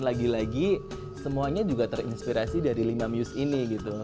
lagi lagi semuanya juga terinspirasi dari lima muse ini gitu